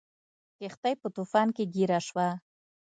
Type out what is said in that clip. کښتۍ په طوفان کې ګیره شوه.